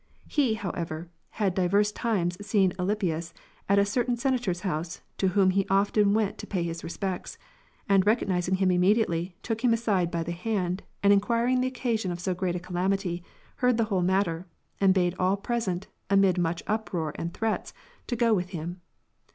He, however, had divers times seen Alypius at a certain Senator's house, to whom he often went to pay his respects; and recognizing him immediately, tookhim aside bythehand, and enquiring the occasion of so great a calamity, heard the whole matter, and bade all present, amid much uproar and threats, to go with him.